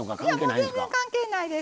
全然、関係ないです。